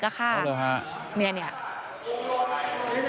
กุมารทองฟ้าใสคุยกับลูกน้ำลวดมาครับฟ้าใส